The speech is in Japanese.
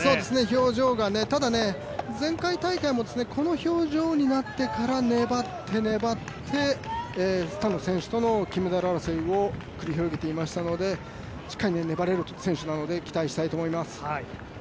表情が、ただね前回大会もこの表情になってから粘って粘って、スタノ選手との金メダル争いを繰り広げていましたので、しっかり粘れる選手なので期待したいと思います。